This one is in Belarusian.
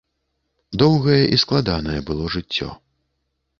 Доўгае і складанае было жыццё.